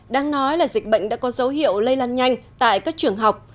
đang nói là dịch bệnh đã có dấu hiệu lây lan nhanh tại các trường học